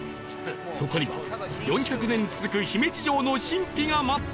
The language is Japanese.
そこには４００年続く姫路城の神秘が待っていた